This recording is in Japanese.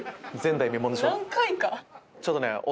ちょっとね。